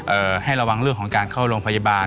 ให้ระวังเรื่องของการเข้าโรงพยาบาล